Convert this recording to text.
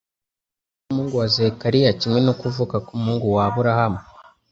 Kuvuka k'umuhungu wa Zakariya, kimwe no kuvuka k'umuhungu wa Aburahamu,